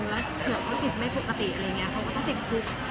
แล้วเผื่อเขาจิตไม่ปกติอะไรอย่างนี้เขาก็ต้องติดคุก